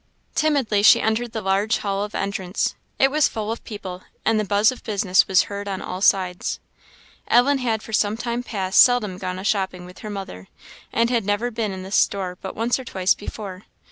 Timidly she entered the large hall of entrance. It was full of people, and the buzz of business was heard on all sides. Ellen had for some time past seldom gone a shopping with her mother, and had never been in this store but once or twice before.